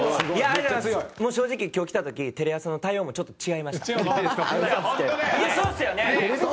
藤原：もう正直、今日来た時テレ朝の対応もちょっと違いました。